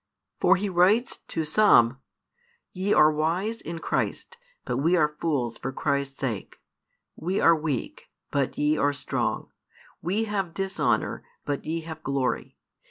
For he writes to some: Ye are wise in Christ, but we are fools for Christ's sake; we are weak, but ye are strong; we have dishonour, but ye have glory.